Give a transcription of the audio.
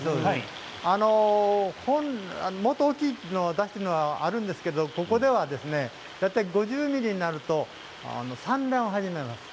もっと大きいものを出すこともあるんですけれど、ここでは大体５０ｍｍになると産卵を始めます。